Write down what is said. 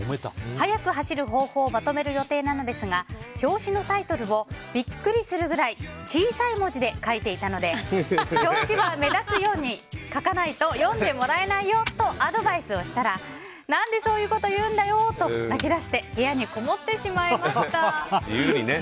速く走る方法をまとめる予定なのですが表紙のタイトルをビックリするくらい小さい文字で書いていたので表紙は目立つように書かないと読んでもらえないよとアドバイスをしたら何で、そういうこと言うんだよと泣き出して部屋にこもってしまいました。